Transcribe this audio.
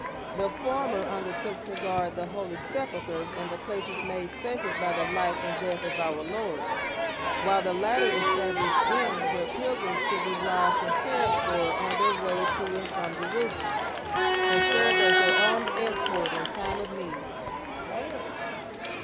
The former undertook to guard the Holy Sepulcher and the places made sacred by the life and death of our Lord, while the latter established inns where pilgrims could be lodged and cared for on their way to and from Jerusalem, and served as their armed escort in time of need.